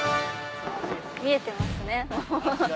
「見えてますねもう。